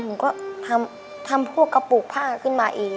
หนูก็ทำพวกกระปุกผ้าขึ้นมาเอง